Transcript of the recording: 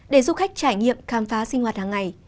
để du khách trải nghiệm khám phá sinh hoạt hàng ngày